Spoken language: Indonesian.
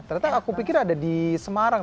ternyata aku pikir ada di semarang